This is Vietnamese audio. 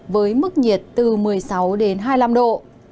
với mức nhiệt từ một mươi sáu đến hai mươi năm độ